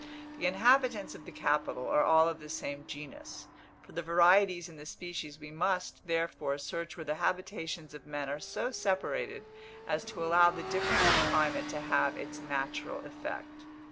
The inhabitants of the capital are all of the same genus; for the varieties in the species we must, therefore, search where the habitations of men are so separated as to allow the difference of climate to have its natural effect.